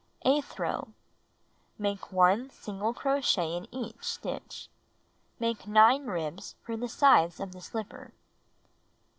Eighth row: Make 1 single crochet in each stitch. Make 9 ribs for the sides of the slipper.